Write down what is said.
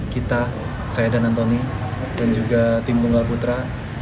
kita saya dan antoni dan juga tim tunggal putra